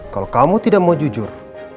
kalau kamu tidak mau jujur